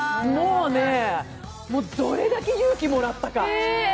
もうね、どれだけ勇気もらったか。